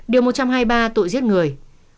điều một trăm hai mươi ba tội giết người